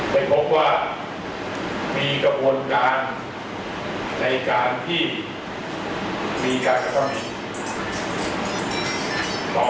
ไปพบว่ามีกระบวนการในการที่มีการกระทำผิด